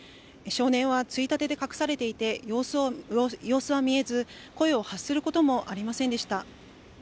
少年はついたてで隠されていて、様子は見えず、声を発することもありませんでした。